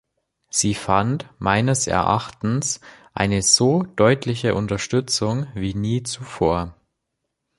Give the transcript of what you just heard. Sie fand meines Erachtens eine so deutliche Unterstützung wie nie zuvor.